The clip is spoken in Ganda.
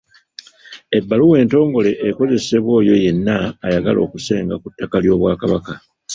Ebbaluwa entongole ekozesebwa oyo yenna ayagala okusenga ku ttaka ly’Obwakabaka.